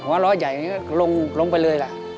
หัวเราะใหญ่ก็ลงไปเลยล่ะ